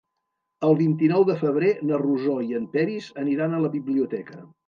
El vint-i-nou de febrer na Rosó i en Peris aniran a la biblioteca.